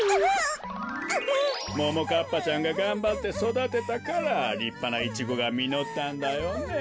ももかっぱちゃんががんばってそだてたからりっぱなイチゴがみのったんだよね。